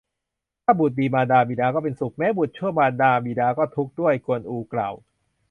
ถ้าบุตรดี มารดาบิดาก็เป็นสุข แม้บุตรชั่ว มารดาบิดาก็ทุกข์ด้วย กวนอูกล่าว